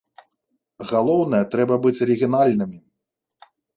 Галоўнае, трэба быць арыгінальнымі.